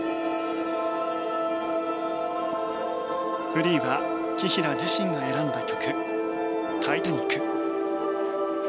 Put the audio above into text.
フリーは紀平自身が選んだ曲「タイタニック」。